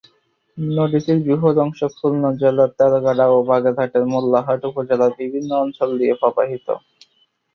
নদীটির বৃহৎ অংশ খুলনা জেলার তেরখাদা ও বাগেরহাটের মোল্লাহাট উপজেলার বিভিন্ন অঞ্চল দিয়ে প্রবাহিত।